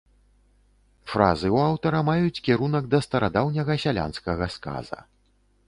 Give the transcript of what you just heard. Фразы ў аўтара маюць кірунак да старадаўняга сялянскага сказа.